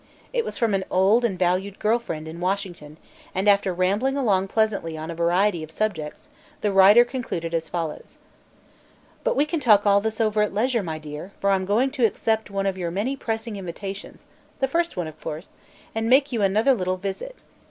It was from an old and valued girl friend in Washington and after rambling along pleasantly on a variety of subjects the writer concluded as follows: "But we can talk all this over at our leisure, my dear, for I'm going to accept one of your many pressing invitations (the first one, of course) and make you another little visit.